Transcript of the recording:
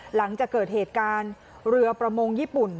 หลังจากเกิดเหตุการณ์เรือประมงญี่ปุ่น